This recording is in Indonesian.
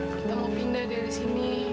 kita mau pindah dari sini